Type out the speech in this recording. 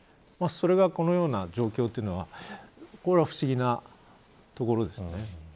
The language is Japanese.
それがこのような状況というのはこれは不思議なところですよね。